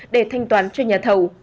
để thanh toán cho nhà thầu